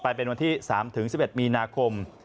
เป็นวันที่๓๑๑มีนาคม